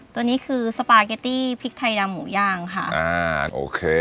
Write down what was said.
ตัวนี้คือสปาเกตตี้พริกไทยดำหมูย่างค่ะอ่าโอเค